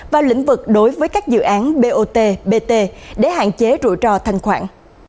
và lĩnh vực đối với các dự án bot bt để hạn chế rủi ro thanh khoản